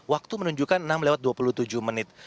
waktu menunjukkan enam lewat dua puluh tujuh menit